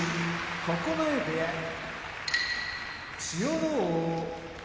九重部屋千代ノ皇